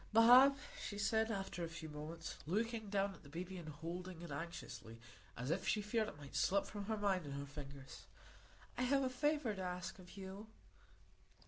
"Bob," she said, after a few moments, looking down at the baby, and holding it anxiously, as if she feared it might slip from her mind and her fingers, "I have a favour to ask of you."